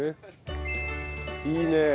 いいね。